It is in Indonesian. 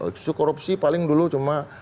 isu korupsi paling dulu cuma